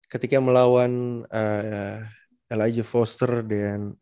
ketika melawan elijah foster dan